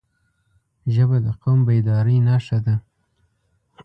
ژبه د قوم بیدارۍ نښه ده